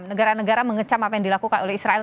negara negara mengecam apa yang dilakukan oleh israel